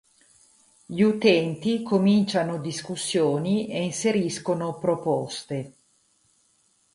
Gli utenti cominciano discussioni e inseriscono proposte.